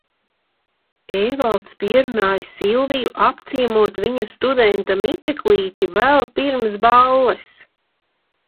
Ēvalds pierunā Silviju apciemot viņa studenta miteklīti vēl pirms balles.